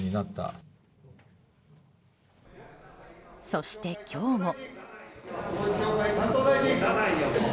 そして今日も。